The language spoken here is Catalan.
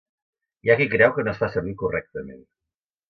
Hi ha qui creu que no es fa servir correctament.